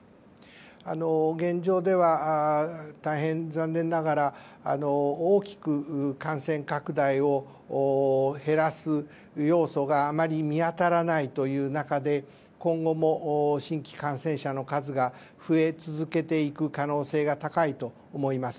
現状では大変残念ながら大きく感染拡大を減らす要素があまり見当たらないという中で今後も、新規感染者の数が増え続けていく可能性が高いと思います。